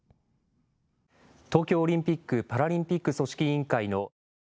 東京オリンピック・パラリンピック組織委員会の。